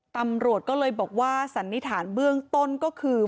ตำรวจก็เลยบอกว่าสันนิษฐานเบื้องต้นก็คือ